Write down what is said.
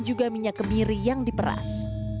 dan juga minyak kemiri yang diperas